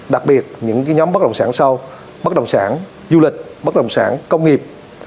đặc biệt những nhóm bất đồng sản sâu bất đồng sản du lịch bất đồng sản công nghiệp